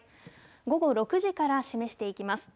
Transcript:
午後６時から示していきます。